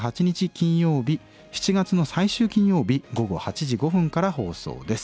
金曜日７月の最終金曜日午後８時５分から放送です。